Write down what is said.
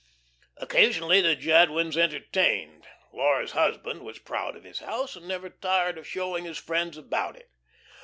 '" Occasionally the Jadwins entertained. Laura's husband was proud of his house, and never tired of showing his friends about it.